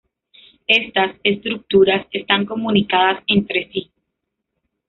Estas estructuras están comunicadas entre sí.